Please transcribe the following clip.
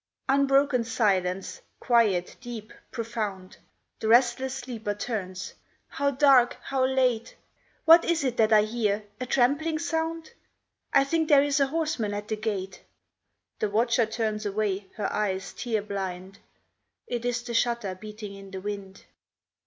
Unbroken silence, quiet, deep, profound. The restless sleeper turns: "How dark, how late! What is it that I hear a trampling sound? I think there is a horseman at the gate." The watcher turns away her eyes tear blind: "It is the shutter beating in the wind."